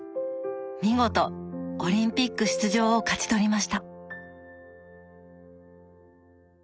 見事オリンピック出場を勝ち取りました。